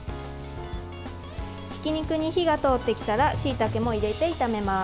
ひき肉に火が通ってきたらしいたけも入れて炒めます。